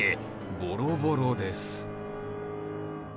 ボロボロです。